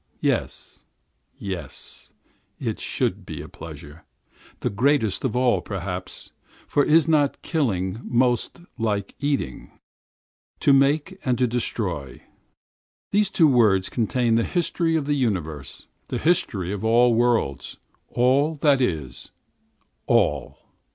Yes, yes, it should be a pleasure, the greatest of all, perhaps, for is not killing the next thing to creating? To make and to destroy! These two words contain the history of the universe, all the history of worlds, all that is, all!